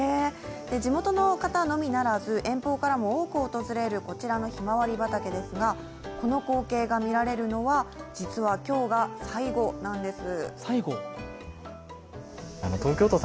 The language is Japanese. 地元の方のみならず遠方の方も訪れるこちらのひまわり畑ですがこの光景が見られるのは実は今日が最後なんです。